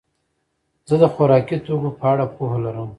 زه د خوراکي توکو په اړه پوهه لرم.